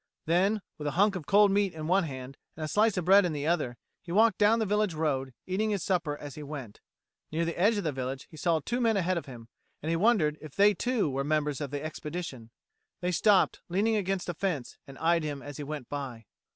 Then, with a hunk of cold meat in one hand and a slice of bread in the other, he walked down the village road, eating his supper as he went. Near the edge of the village he saw two men ahead of him, and he wondered if they too were members of the expedition. They stopped, leaning against a fence, and eyed him as he went by.